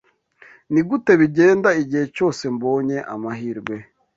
Nigute bigenda igihe cyose mbonye amahirwe